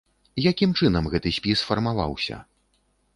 Якім чынам гэты спіс фармаваўся?